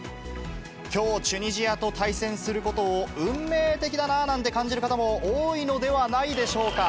きょう、チュニジアと対戦することを運命的だななんて感じる方も多いのではないでしょうか。